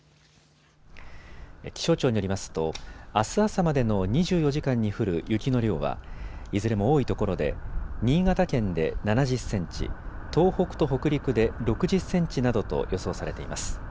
気象庁によりますと、あす朝までの２４時間に降る雪の量はいずれも多いところで新潟県で７０センチ、東北と北陸で６０センチなどと予想されています。